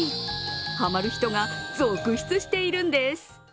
ハマる人が続出しているんです。